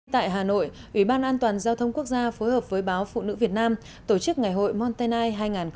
tại hà nội ủy ban an toàn giao thông quốc gia phối hợp với báo phụ nữ việt nam tổ chức ngày hội montenai hai nghìn một mươi sáu